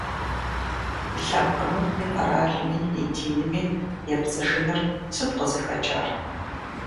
И лъэпкъми, и къэралми, и динми епцӀыжыныр сыт къызыхэкӀар?